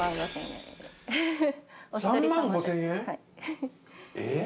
３万５０００円？